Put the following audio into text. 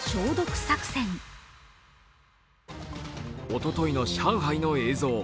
おとといの上海の映像。